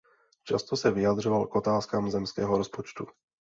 Často se vyjadřoval k otázkám zemského rozpočtu.